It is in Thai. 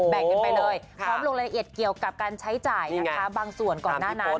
กันไปเลยพร้อมลงรายละเอียดเกี่ยวกับการใช้จ่ายนะคะบางส่วนก่อนหน้านั้น